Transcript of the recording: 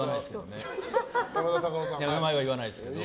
名前は言わないですけど。